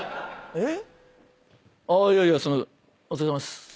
えっ？